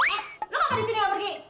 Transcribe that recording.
eh lu nggak apa di sini nggak pergi